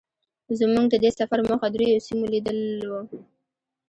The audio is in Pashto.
زمونږ د دې سفر موخه درېيو سیمو لیدل وو.